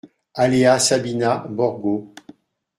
Allée A Sabina, Borgo